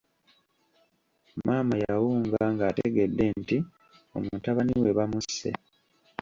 Maama yawunga ng’ategedde nti omutabani we bamusse.